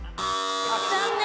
残念。